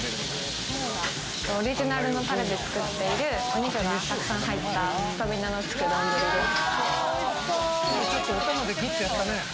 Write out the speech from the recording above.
オリジナルのタレで作っているお肉が沢山入ったスタミナのつく丼です。